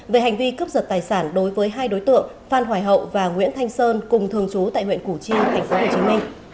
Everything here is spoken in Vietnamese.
về hành vi cướp giật tài sản đối với hai đối tượng phan hoài hậu và nguyễn thanh sơn cùng thường trú tại huyện củ chi tp hcm